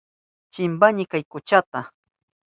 Chimpani chay kuchata.